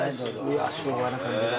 うわ昭和な感じだ。